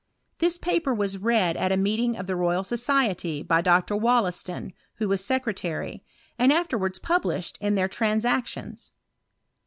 This paper was read at a meet ing of the Royal Society by Dr. WoUaston, who was secretary, and afterwards published in their Transac tions.